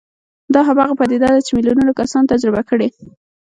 دا هماغه پدیده ده چې میلیونونه کسانو تجربه کړې